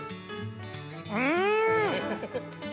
うん！